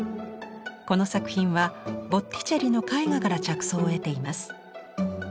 この作品はボッティチェリの絵画から着想を得ています。